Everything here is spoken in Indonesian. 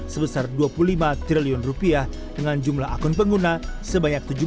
sebesar dua puluh lima triliun rupiah dengan jumlah akun pengguna sebanyak tujuh belas